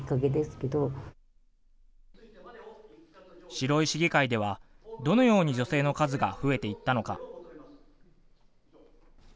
白井市議会ではどのように女性の数が増えていったのか。